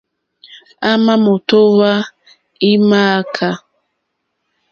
Àwà mòtówá é !mááká.